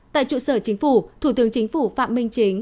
tại trụ sở chính phủ thủ tướng chính phủ phạm minh chính